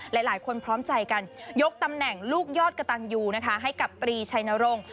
หลายคนพร้อมใจกันยกตำแหน่งลูกยอดกระตันยูนะคะให้กับตรีชัยนรงค์